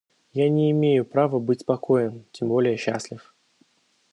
Я не имею права быть спокоен, тем более счастлив...